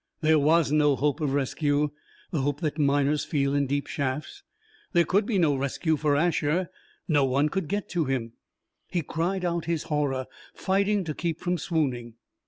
There was no hope of rescue, the hope that miners feel in deep shafts. There could be no rescue for Asher. No one could get to him. He cried out his horror, fighting to keep from swooning.